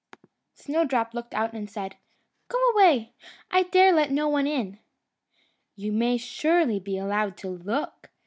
Snowdrop looked out and said, "Go away I dare let no one in." "You may surely be allowed to look!"